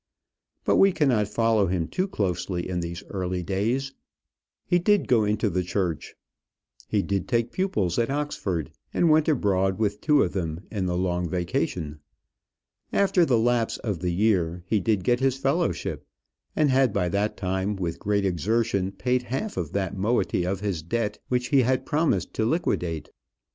But we cannot follow him too closely in these early days. He did go into the church. He did take pupils at Oxford, and went abroad with two of them in the long vacation. After the lapse of the year, he did get his fellowship; and had by that time, with great exertion, paid half of that moiety of his debt which he had promised to liquidate.